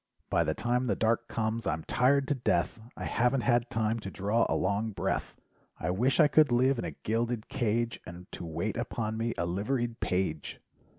By the time the dark comes, I'm tired to death, I haven't had time to draw a long breath— I wish I could live in a gilded cage, And to wait upon me a liveried page.